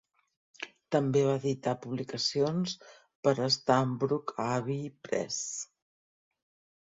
També va editar publicacions per a Stanbrook Abbey Press.